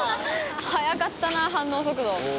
早かったな反応速度。